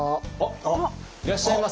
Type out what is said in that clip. あっいらっしゃいませ。